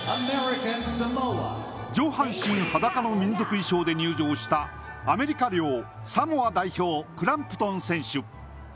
上半身裸の民族衣装で入場したアメリカ領サモア代表クランプトン選手。